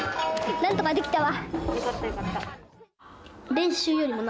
なんとかできたわ。